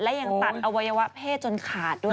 และยังตัดอวัยวะเพศจนขาดด้วย